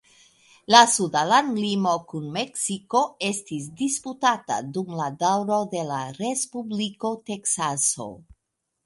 La suda landlimo kun Meksiko estis disputata dum la daŭro de la Respubliko Teksaso.